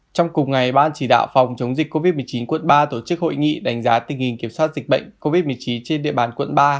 trong cùng ngày ban chỉ đạo phòng chống dịch covid một mươi chín quận ba tổ chức hội nghị đánh giá tình hình kiểm soát dịch bệnh covid một mươi chín trên địa bàn quận ba